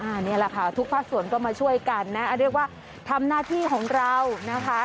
อันนี้แหละค่ะทุกภาคส่วนก็มาช่วยกันนะเรียกว่าทำหน้าที่ของเรานะคะ